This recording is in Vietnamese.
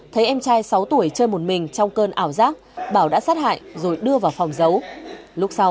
thấy em trai sáu tuổi chơi một mình trong cơn ảo giác bảo đã sát hại rồi đưa vào phòng giấu lúc sau